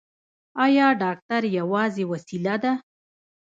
ایا ډاکټر یوازې وسیله ده؟